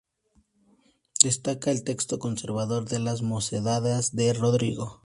Destaca el texto conservado de Las mocedades de Rodrigo.